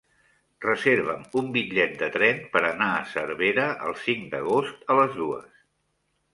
Reserva'm un bitllet de tren per anar a Cervera el cinc d'agost a les dues.